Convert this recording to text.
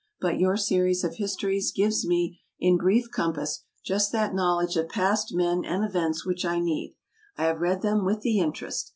But your Series of Histories gives me, in brief compass, just that knowledge of past men and events which I need. I have read them with the interest.